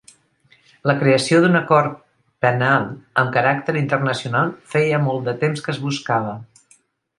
La creació d'una Cort Penal amb caràcter internacional feia molt de temps que es buscava.